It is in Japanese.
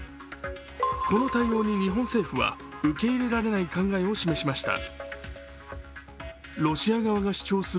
この対応に日本政府は受け入れられない考えを示しました。